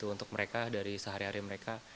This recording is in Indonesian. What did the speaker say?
untuk mereka dari sehari hari mereka